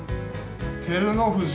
照ノ富士